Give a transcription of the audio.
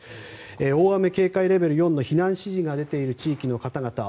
大雨警戒レベル４の避難指示が出ている地域の方々